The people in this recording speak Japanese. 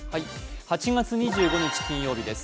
８月２５日金曜日です。